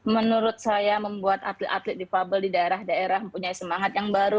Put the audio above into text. menurut saya membuat atlet atlet difabel di daerah daerah punya semangat yang baru